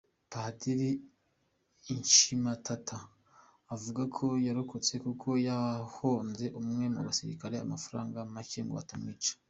Padiri Incimatata avuga ko yarokotse kuko yahonze umwe mu basirikare amafaranga make ngo atamwica.